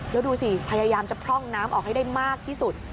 แล้วดูสิพยายามจะพร่องน้ำออกให้ได้มากที่สุด